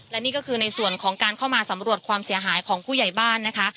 และนี่ก็คือในส่วนของการเข้ามาสำรวจความเสียหายของผู้ใหญ่บ้านนะคะ